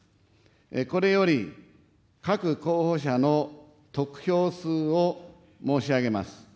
これより各候補者の得票数を申し上げます。